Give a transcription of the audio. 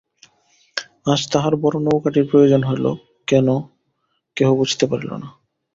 আজ তাহার বড় নৌকাটির প্রয়োজন হইল কেন কেহ বুঝিতে পারিল না।